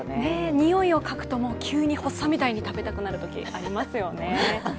においをかぐと、急に発作みたいに食べたくなるときありますよね。